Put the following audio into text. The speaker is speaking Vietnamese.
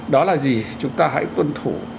đó là gì chúng ta hãy tuân thủ